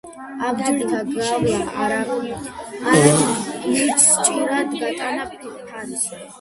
აბჯრითა გავლა არად მიჩს ჭირად, გატანა ფარისა